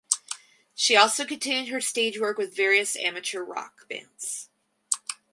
She also continued her stage work with various amateur rock bands.